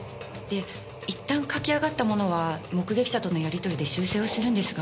で一旦描き上がったものは目撃者とのやりとりで修正をするんですが。